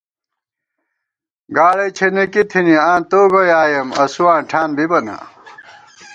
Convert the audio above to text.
گاڑَئی چھېنېکی تھنی آں تو گوئی آئېم اسُواں ٹھان بِبہ نا